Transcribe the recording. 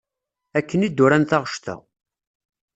Akken i d-uran taɣect-a.